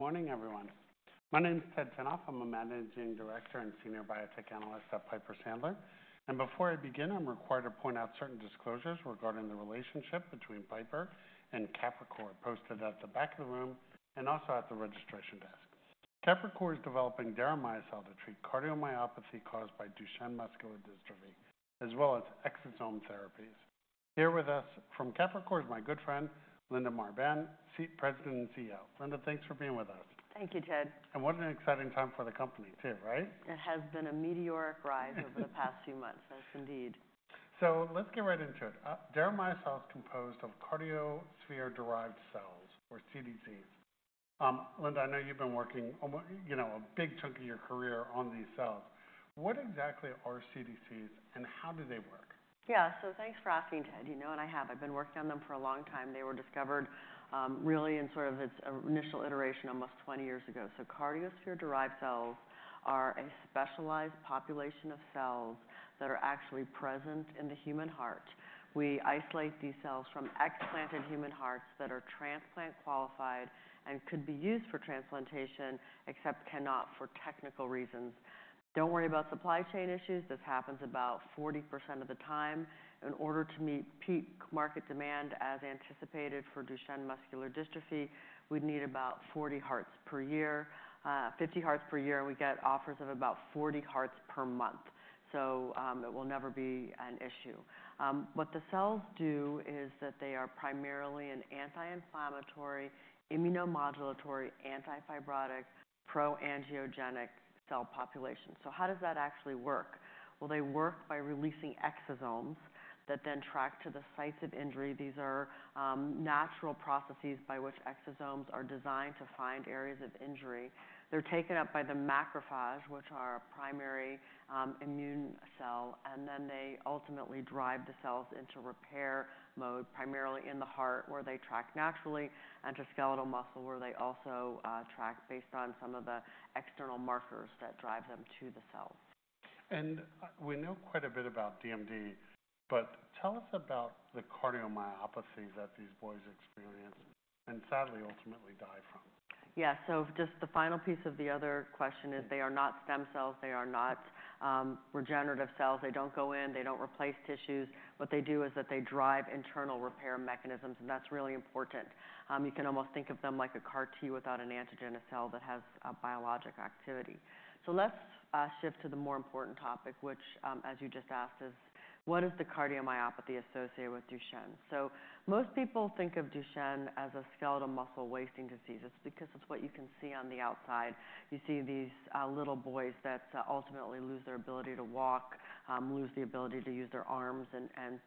Morning, everyone. My name is Ted Tenthoff. I'm a Managing Director and Senior Biotech Analyst at Piper Sandler. And before I begin, I'm required to point out certain disclosures regarding the relationship between Piper and Capricor posted at the back of the room and also at the registration desk. Capricor is developing deramiocel to treat cardiomyopathy caused by Duchenne muscular dystrophy, as well as exosome therapies. Here with us from Capricor is my good friend, Linda Marbán, CEO, President and CEO. Linda, thanks for being with us. Thank you, Ted. What an exciting time for the company too, right? It has been a meteoric rise over the past few months. Yes, indeed. So let's get right into it. Deramiocel is composed of cardiosphere-derived cells, or CDCs. Linda, I know you've been working, you know, a big chunk of your career on these cells. What exactly are CDCs, and how do they work? Yeah, so thanks for asking, Ted. You know, and I have. I've been working on them for a long time. They were discovered really in sort of its initial iteration almost 20 years ago. So cardiosphere-derived cells are a specialized population of cells that are actually present in the human heart. We isolate these cells from explanted human hearts that are transplant-qualified and could be used for transplantation, except cannot for technical reasons. Don't worry about supply chain issues. This happens about 40% of the time. In order to meet peak market demand as anticipated for Duchenne muscular dystrophy, we'd need about 40 hearts per year. 50 hearts per year, and we get offers of about 40 hearts per month. So it will never be an issue. What the cells do is that they are primarily an anti-inflammatory, immunomodulatory, anti-fibrotic, pro-angiogenic cell population. So how does that actually work? They work by releasing exosomes that then track to the sites of injury. These are natural processes by which exosomes are designed to find areas of injury. They're taken up by the macrophage, which are a primary immune cell, and then they ultimately drive the cells into repair mode, primarily in the heart, where they track naturally, and to skeletal muscle, where they also track based on some of the external markers that drive them to the cell. We know quite a bit about DMD, but tell us about the cardiomyopathy that these boys experience and sadly ultimately die from? Yeah, so just the final piece of the other question is they are not stem cells. They are not regenerative cells. They don't go in. They don't replace tissues. What they do is that they drive internal repair mechanisms, and that's really important. You can almost think of them like a CAR T without an antigen cell that has biologic activity. So let's shift to the more important topic, which, as you just asked, is what is the cardiomyopathy associated with Duchenne? So most people think of Duchenne as a skeletal muscle wasting disease. It's because it's what you can see on the outside. You see these little boys that ultimately lose their ability to walk, lose the ability to use their arms, and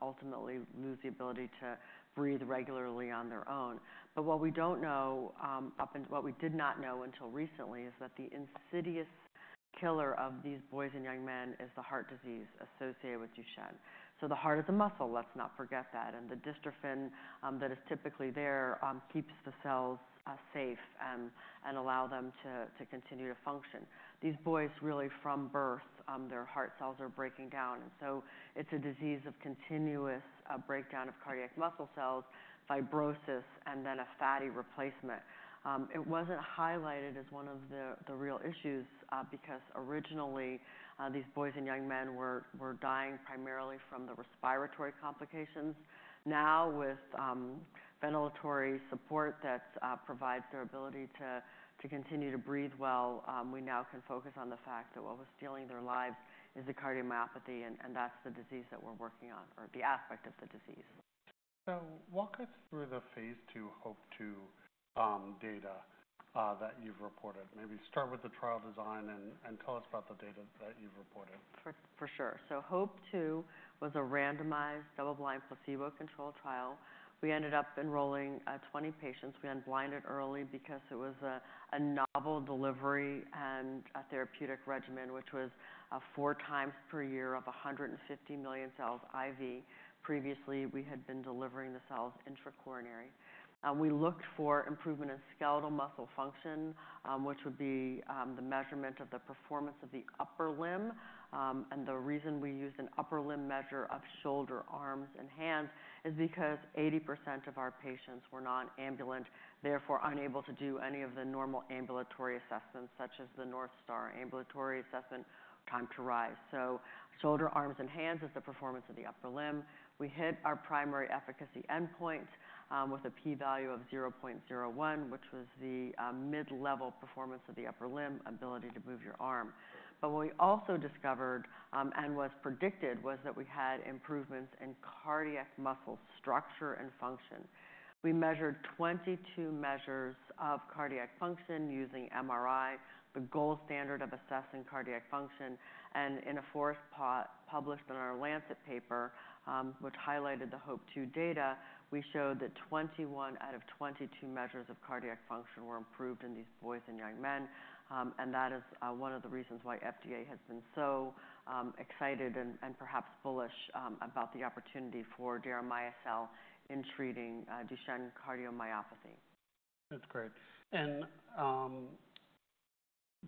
ultimately lose the ability to breathe regularly on their own. But what we don't know, what we did not know until recently, is that the insidious killer of these boys and young men is the heart disease associated with Duchenne. So the heart is a muscle. Let's not forget that. And the dystrophin that is typically there keeps the cells safe and allows them to to continue to function. These boys, really, from birth, their heart cells are breaking down. And so it's a disease of continuous breakdown of cardiac muscle cells, fibrosis, and then a fatty replacement. It wasn't highlighted as one of the real issues because originally these boys and young men were were dying primarily from the respiratory complications. Now, with ventilatory support that provides their ability to to continue to breathe well, we now can focus on the fact that what was stealing their lives is the cardiomyopathy, and that's the disease that we're working on, or the aspect of the disease. Walk us through the phase 2 HOPE-2 data that you've reported. Maybe start with the trial design and tell us about the data that you've reported? For sure. So HOPE-2 was a randomized double-blind placebo-controlled trial. We ended up enrolling 20 patients. We unblinded early because it was a novel delivery and a therapeutic regimen, which was four times per year of 150 million cells IV. Previously, we had been delivering the cells intracoronary. We looked for improvement in skeletal muscle function, which would be the measurement of the Performance of the Upper Limb. And the reason we used an upper limb measure of shoulder, arms, and hands is because 80% of our patients were non-ambulant, therefore unable to do any of the normal ambulatory assessments, such as the North Star Ambulatory Assessment, time to rise. So shoulder, arms, and hands is the Performance of the Upper Limb. We hit our primary efficacy endpoint with a p-value of 0.01, which was the mid-level Performance of the Upper Limb, ability to move your arm. But what we also discovered and was predicted was that we had improvements in cardiac muscle structure and function. We measured 22 measures of cardiac function using MRI, the gold standard of assessing cardiac function. And in a forest plot published in our Lancet paper, which highlighted the HOPE-2 data, we showed that 21 out of 22 measures of cardiac function were improved in these boys and young men. And that is one of the reasons why FDA has been so excited and perhaps bullish about the opportunity for deramiocel in treating Duchenne cardiomyopathy. That's great, and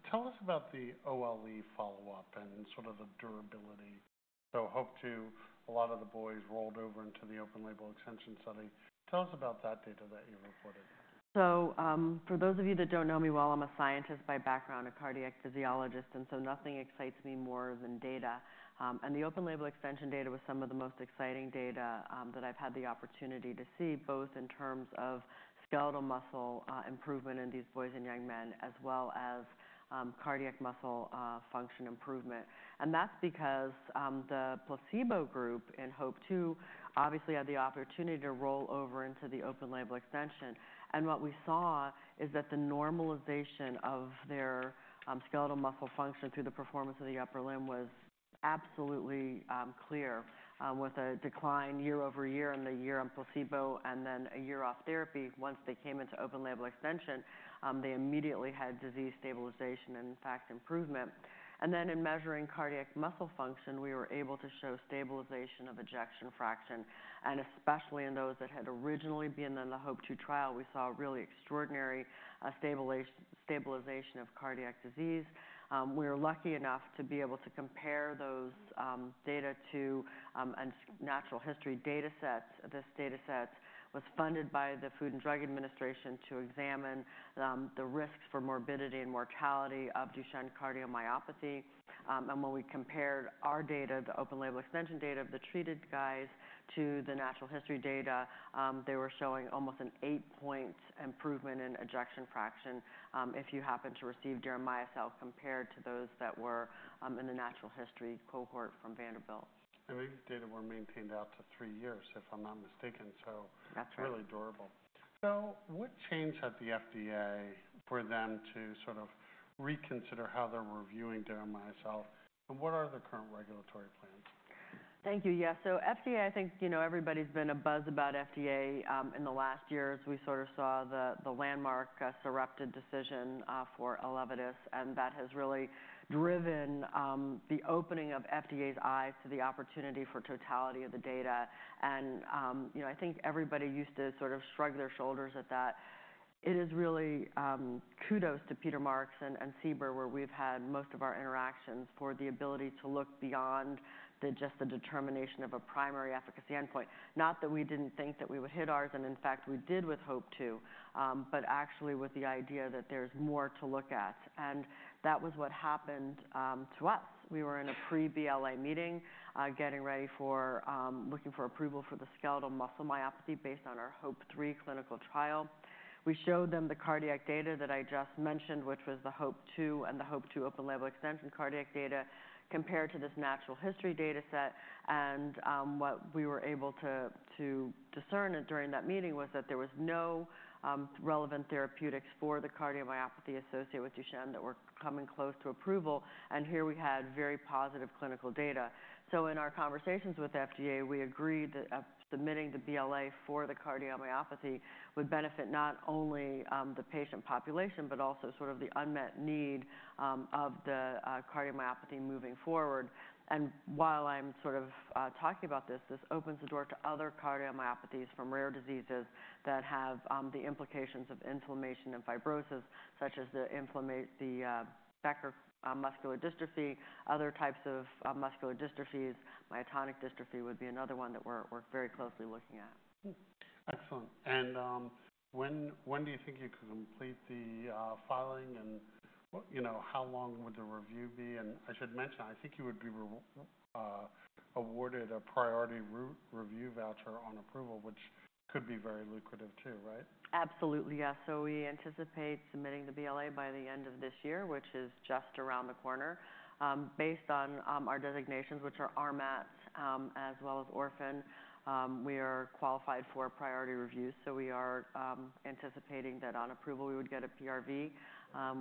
tell us about the OLE follow-up and sort of the durability so HOPE-2, a lot of the boys rolled over into the open-label extension study. Tell us about that data that you reported. So for those of you that don't know me, well, I'm a scientist by background, a cardiac physiologist, and so nothing excites me more than data. The open-label extension data was some of the most exciting data that I've had the opportunity to see, both in terms of skeletal muscle improvement in these boys and young men, as well as cardiac muscle function improvement. And that's because the placebo group in HOPE-2 obviously had the opportunity to roll over into the open-label extension. And what we saw is that the normalization of their skeletal muscle function through the Performance of the Upper Limb was absolutely clear, with a decline year over year in the year on placebo, and then a year off therapy. Once they came into open-label extension, they immediately had disease stabilization and, in fact, improvement. And then in measuring cardiac muscle function, we were able to show stabilization of ejection fraction. And especially in those that had originally been in the HOPE-2 trial, we saw really extraordinary stabilization of cardiac disease. We were lucky enough to be able to compare those data to natural history data sets. This data set was funded by the Food and Drug Administration to examine the risks for morbidity and mortality of Duchenne cardiomyopathy. And when we compared our data, the open-label extension data of the treated guys, to the natural history data, they were showing almost an eight-point improvement in ejection fraction if you happen to receive deramiocel compared to those that were in the natural history cohort from Vanderbilt. These data were maintained out to three years, if I'm not mistaken. So that's really durable. So what changed at the FDA for them to sort of reconsider how they're reviewing deramiocel? And what are the current regulatory plans? Thank you. Yeah, so FDA, I think, you know, everybody's been abuzz about FDA in the last year as we sort of saw the landmark Sarepta decision for Elevidys. And that has really driven the opening of FDA's eyes to the opportunity for totality of the data. And, you know, I think everybody used to sort of shrug their shoulders at that. It is really kudos to Peter Marks and CBER, where we've had most of our interactions for the ability to look beyond just the determination of a primary efficacy endpoint. Not that we didn't think that we would hit ours, and in fact, we did with HOPE-2, but actually with the idea that there's more to look at. And that was what happened to us. We were in a pre-BLA meeting getting ready for looking for approval for the skeletal muscle myopathy based on our HOPE-3 clinical trial. We showed them the cardiac data that I just mentioned, which was the HOPE-2 and the HOPE-2 open-label extension cardiac data compared to this natural history data set. And what we were able to to discern during that meeting was that there was no relevant therapeutics for the cardiomyopathy associated with Duchenne that were coming close to approval. And here we had very positive clinical data. So in our conversations with FDA, we agreed that submitting the BLA for the cardiomyopathy would benefit not only the patient population, but also sort of the unmet need of the cardiomyopathy moving forward. And while I'm sort of talking about this, this opens the door to other cardiomyopathies from rare diseases that have the implications of inflammation and fibrosis, such as the Becker muscular dystrophy, other types of muscular dystrophies. Myotonic dystrophy would be another one that we're very closely looking at. Excellent. And when do you think you could complete the filing? And, you know, how long would the review be? And I should mention, I think you would be awarded a priority review voucher on approval, which could be very lucrative too, right? Absolutely, yeah. So we anticipate submitting the BLA by the end of this year, which is just around the corner. Based on our designations, which are RMATs as well as Orphan, we are qualified for priority reviews. So we are anticipating that on approval, we would get a PRV,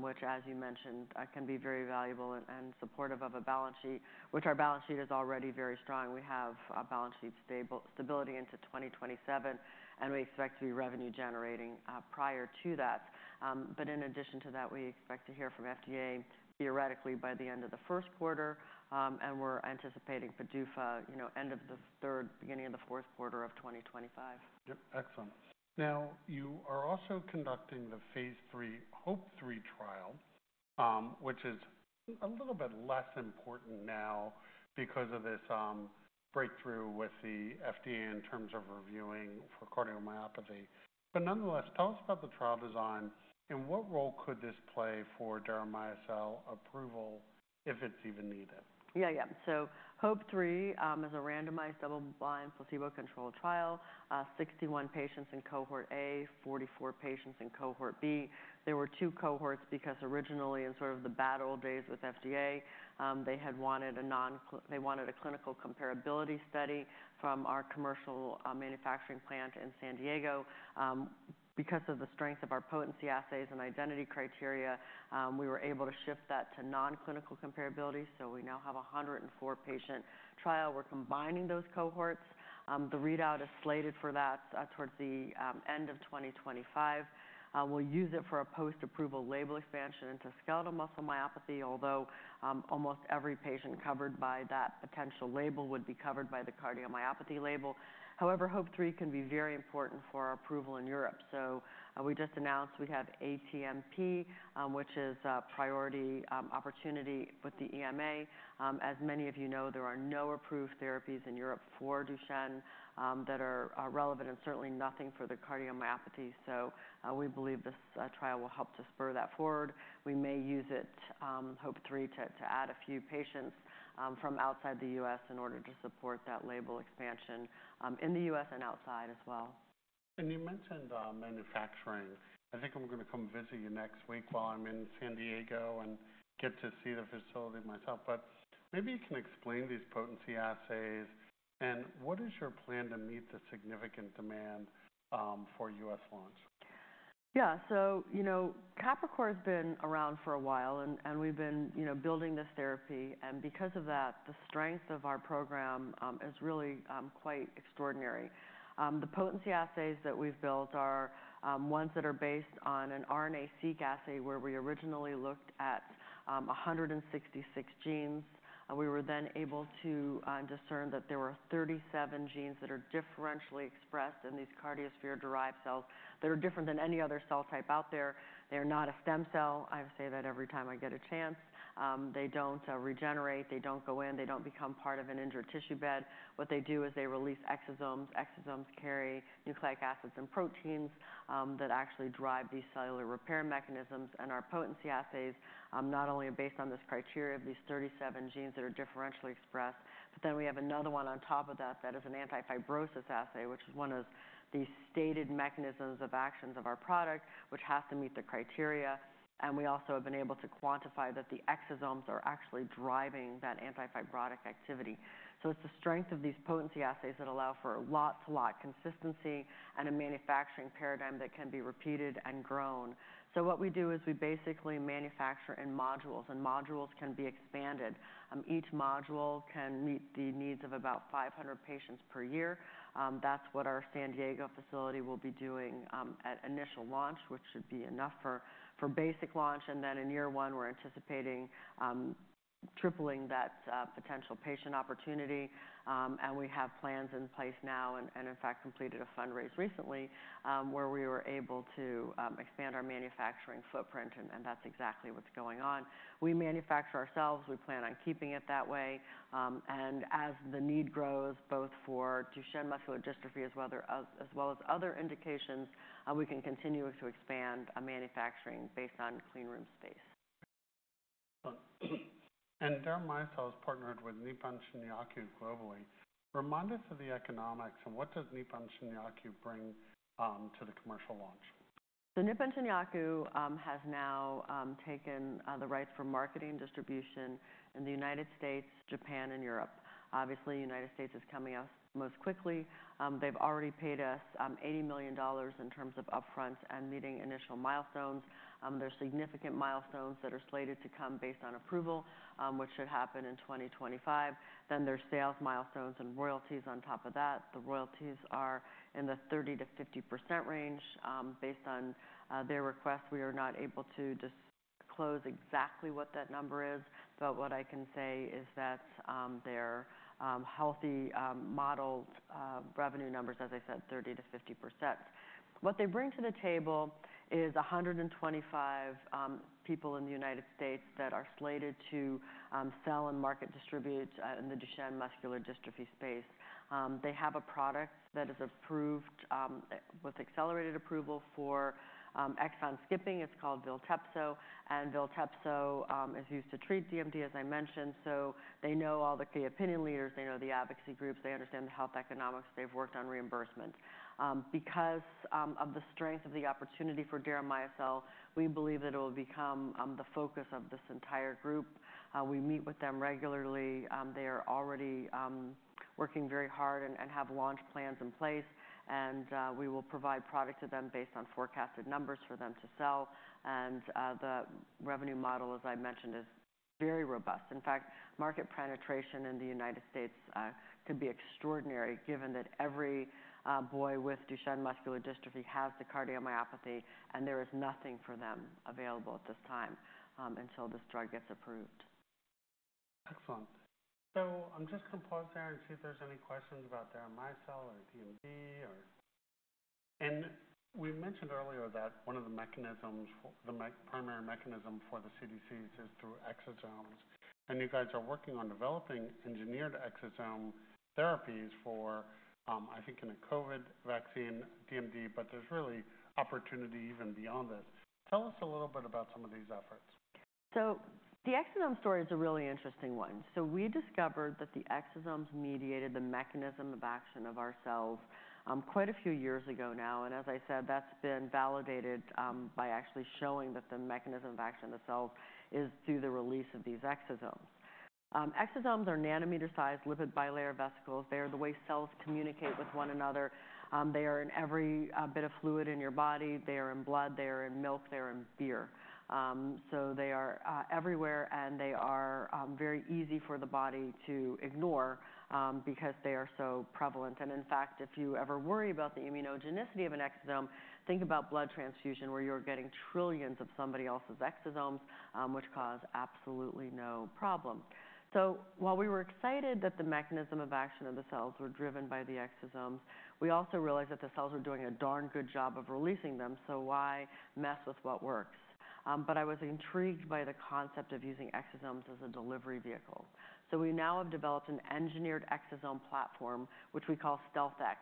which, as you mentioned, can be very valuable and supportive of a balance sheet, which our balance sheet is already very strong. We have a balance sheet stability into 2027, and we expect to be revenue-generating prior to that. But in addition to that, we expect to hear from FDA theoretically by the end of the first quarter. And we're anticipating PDUFA, you know, end of the third, beginning of the fourth quarter of 2025. Yep, excellent. Now, you are also conducting the phase 3 HOPE-3 trial, which is a little bit less important now because of this breakthrough with the FDA in terms of reviewing for cardiomyopathy. But nonetheless, tell us about the trial design and what role could this play for deramiocel approval if it's even needed. Yeah, yeah. So HOPE-3 is a randomized double-blind placebo-controlled trial, 61 patients in cohort A, 44 patients in cohort B. There were two cohorts because originally in sort of the bad old days with FDA, they wanted a clinical comparability study from our commercial manufacturing plant in San Diego. Because of the strength of our potency assays and identity criteria, we were able to shift that to non-clinical comparability. So we now have a 104-patient trial. We're combining those cohorts. The readout is slated for that towards the end of 2025. We'll use it for a post-approval label expansion into skeletal muscle myopathy, although almost every patient covered by that potential label would be covered by the cardiomyopathy label. However, HOPE-3 can be very important for approval in Europe. So we just announced we have ATMP, which is a priority opportunity with the EMA. As many of you know, there are no approved therapies in Europe for Duchenne that are relevant and certainly nothing for the cardiomyopathy. So we believe this trial will help to spur that forward. We may use HOPE-3 to add a few patients from outside the U.S. in order to support that label expansion in the U.S. and outside as well. And you mentioned manufacturing. I think I'm going to come visit you next week while I'm in San Diego and get to see the facility myself. But maybe you can explain these potency assays, and what is your plan to meet the significant demand for U.S. launch? Yeah, so, you know, Capricor has been around for a while, and we've been, you know, building this therapy, and because of that, the strength of our program is really quite extraordinary. The potency assays that we've built are ones that are based on an RNA-seq assay where we originally looked at 166 genes. And we were then able to discern that there were 37 genes that are differentially expressed in these cardiosphere-derived cells that are different than any other cell type out there. They are not a stem cell. I say that every time I get a chance. They don't regenerate. They don't go in. They don't become part of an injured tissue bed. What they do is they release exosomes. Exosomes carry nucleic acids and proteins that actually drive these cellular repair mechanisms. Our potency assays not only are based on this criteria of these 37 genes that are differentially expressed, but then we have another one on top of that that is an anti-fibrotic assay, which is one of the stated mechanisms of actions of our product, which has to meet the criteria. And we also have been able to quantify that the exosomes are actually driving that anti-fibrotic activity. So it's the strength of these potency assays that allow for lot-to-lot consistency and a manufacturing paradigm that can be repeated and grown. So what we do is we basically manufacture in modules, and modules can be expanded. Each module can meet the needs of about 500 patients per year. That's what our San Diego facility will be doing at initial launch, which should be enough for basic launch. And then in year one, we're anticipating tripling that potential patient opportunity. We have plans in place now and, in fact, completed a fundraise recently where we were able to expand our manufacturing footprint. And that's exactly what's going on. We manufacture ourselves. We plan on keeping it that way. And as the need grows, both for Duchenne muscular dystrophies as well as other indications, we can continue to expand manufacturing based on clean room space. Deramiocel has partnered with Nippon Shinyaku globally. Remind us of the economics and what does Nippon Shinyaku bring to the commercial launch? Nippon Shinyaku has now taken the rights for marketing distribution in the United States, Japan, and Europe. Obviously, the United States is coming out most quickly. They've already paid us $80 million in terms of upfront and meeting initial milestones. There are significant milestones that are slated to come based on approval, which should happen in 2025. Then there are sales milestones and royalties on top of that. The royalties are in the 30%-50% range. Based on their request, we are not able to disclose exactly what that number is. But what I can say is that they're healthy model revenue numbers, as I said, 30%-50%. What they bring to the table is 125 people in the United States that are slated to sell and market distribute in the Duchenne muscular dystrophy space. They have a product that is approved with accelerated approval for exon skipping. It's called Viltepso, and Viltepso is used to treat DMD, as I mentioned, so they know all the key opinion leaders. They know the advocacy groups. They understand the health economics. They've worked on reimbursement. Because of the strength of the opportunity for deramiocel, we believe that it will become the focus of this entire group. We meet with them regularly. They are already working very hard and have launch plans in place, and we will provide product to them based on forecasted numbers for them to sell, and the revenue model, as I mentioned, is very robust. In fact, market penetration in the United States could be extraordinary given that every boy with Duchenne muscular dystrophy has the cardiomyopathy, and there is nothing for them available at this time until this drug gets approved. Excellent. So I'm just going to pause there and see if there's any questions about deramiocel or DMD or. And we mentioned earlier that one of the mechanisms, the primary mechanism for the CDCs, is through exosomes. And you guys are working on developing engineered exosome therapies for, I think, in a COVID vaccine, DMD, but there's really opportunity even beyond this. Tell us a little bit about some of these efforts. So the exosome story is a really interesting one. So we discovered that the exosomes mediated the mechanism of action of our cells quite a few years ago now. And as I said, that's been validated by actually showing that the mechanism of action of the cell is through the release of these exosomes. Exosomes are nanometer-sized lipid bilayer vesicles. They are the way cells communicate with one another. They are in every bit of fluid in your body. They are in blood. They are in milk. They are in beer. So they are everywhere, and they are very easy for the body to ignore because they are so prevalent. And in fact, if you ever worry about the immunogenicity of an exosome, think about blood transfusion where you're getting trillions of somebody else's exosomes, which cause absolutely no problem. So while we were excited that the mechanism of action of the cells were driven by the exosomes, we also realized that the cells are doing a darn good job of releasing them. So why mess with what works? But I was intrigued by the concept of using exosomes as a delivery vehicle. So we now have developed an engineered exosome platform, which we call StealthX.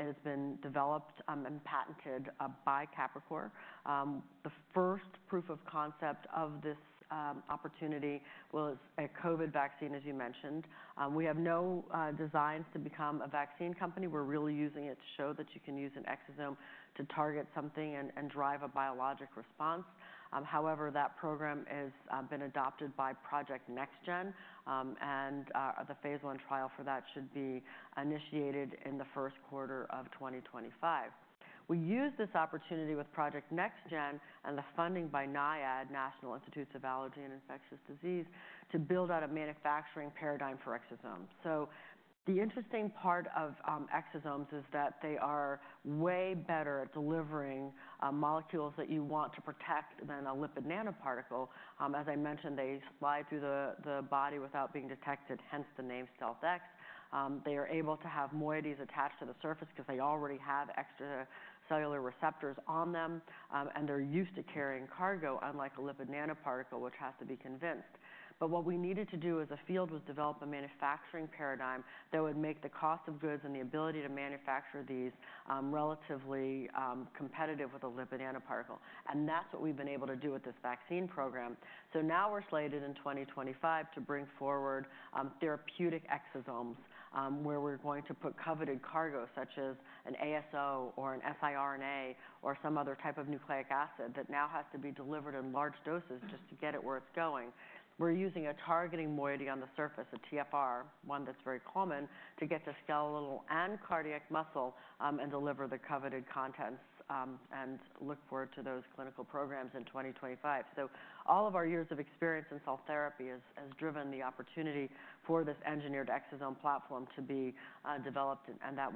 It has been developed and patented by Capricor. The first proof of concept of this opportunity was a COVID vaccine, as you mentioned. We have no designs to become a vaccine company. We're really using it to show that you can use an exosome to target something and drive a biologic response. And however, that program has been adopted by Project NextGen, and the phase one trial for that should be initiated in the first quarter of 2025. We use this opportunity with Project NextGen and the funding by NIAID, National Institute of Allergy and Infectious Diseases, to build out a manufacturing paradigm for exosomes. So the interesting part of exosomes is that they are way better at delivering molecules that you want to protect than a lipid nanoparticle. As I mentioned, they slide through the body without being detected, hence the name StealthX. They are able to have moieties attached to the surface because they already have extracellular receptors on them, and they're used to carrying cargo, unlike a lipid nanoparticle, which has to be convinced. But what we needed to do as a field was develop a manufacturing paradigm that would make the cost of goods and the ability to manufacture these relatively competitive with a lipid nanoparticle. And that's what we've been able to do with this vaccine program. So now we're slated in 2025 to bring forward therapeutic exosomes where we're going to put coveted cargo, such as an ASO or an siRNA or some other type of nucleic acid that now has to be delivered in large doses just to get it where it's going. We're using a targeting moiety on the surface, a TFR, one that's very common, to get to skeletal and cardiac muscle and deliver the coveted contents and look forward to those clinical programs in 2025. So all of our years of experience in cell therapy has driven the opportunity for this engineered exosome platform to be developed, and that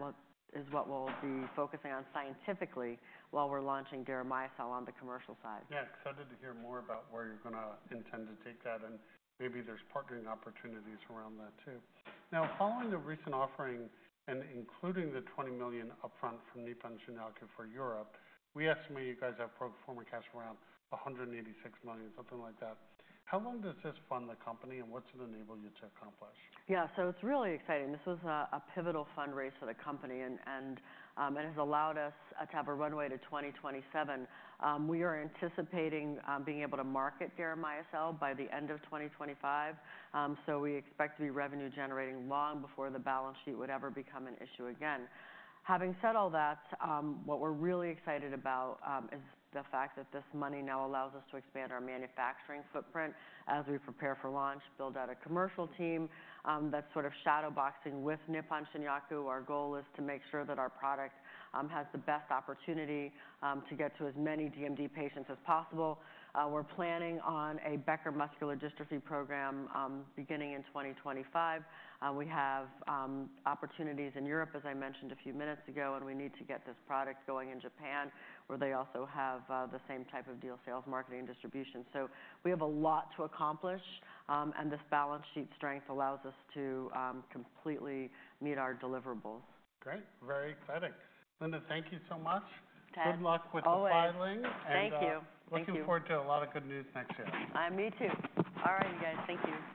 is what we'll be focusing on scientifically while we're launching deramiocel on the commercial side. Yeah, excited to hear more about where you're going to intend to take that, and maybe there's partnering opportunities around that too. Now, following the recent offering and including the $20 million upfront from Nippon Shinyaku for Europe, we estimate you guys have pro forma cash around $186 million, something like that. How long does this fund the company, and what's it enable you to accomplish? Yeah, so it's really exciting. This was a pivotal fundraiser for the company, and and it has allowed us to have a runway to 2027. We are anticipating being able to market deramiocel by the end of 2025. So we expect to be revenue-generating long before the balance sheet would ever become an issue again. Having said all that, what we're really excited about is the fact that this money now allows us to expand our manufacturing footprint as we prepare for launch, build out a commercial team that's sort of shadow boxing with Nippon Shinyaku. Our goal is to make sure that our product has the best opportunity to get to as many DMD patients as possible. We're planning on a Becker muscular dystrophy program beginning in 2025. We have opportunities in Europe, as I mentioned a few minutes ago, and we need to get this product going in Japan, where they also have the same type of deal: sales, marketing, distribution. So we have a lot to accomplish, and this balance sheet strength allows us to completely meet our deliverables. Great. Very exciting. Linda, thank you so much. Thanks. Good luck with the filing. Thank you. Looking forward to a lot of good news next year. Me too. All right, you guys. Thank you.